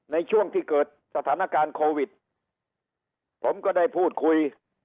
ในช่วงที่เกิดสถานการณ์โควิดผมก็ได้พูดคุย